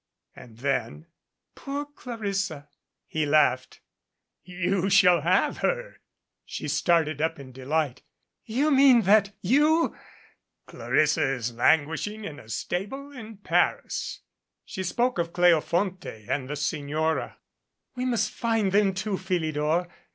And then. "Poor Clarissa!" He laughed. "You shall have her." She started up in delight. "You mean that you ?" "Clarissa is languishing in a stable in Paris." She spoke of Cleofonte and the Signora. "We must find them, too, Philidor.